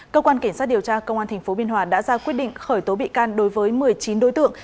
cơ quan cảnh sát điều tra công an tp biên hòa đã ra quyết định khởi tố bị can đối với một mươi chín đối tượng